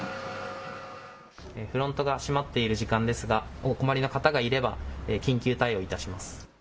フロントが閉まっている時間ですが、お困りの方がいれば緊急対応いたします。